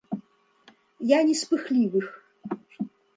Я не з пыхлівых.